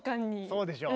そうでしょう。